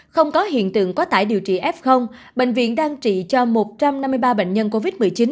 không có hiện tượng quá tải điều trị f bệnh viện đang trị cho một trăm năm mươi ba bệnh nhân covid một mươi chín